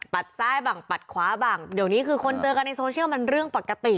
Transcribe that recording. ซ้ายบ้างปัดขวาบ้างเดี๋ยวนี้คือคนเจอกันในโซเชียลมันเรื่องปกติ